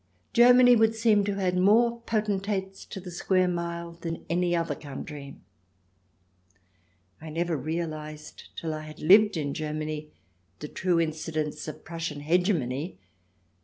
Germany would seem to have had more potentates to the square mile than any other country. I never realized till I had lived in Germany the true incidence of the Prussian hegemony.